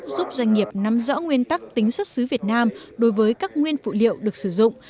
giúp doanh nghiệp nắm rõ nguyên tắc tính xuất xứ việt nam đối với các nguyên phụ liệu được sử dụng